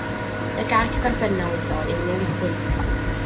Y gair cyferbyniol iddo yw newidyn.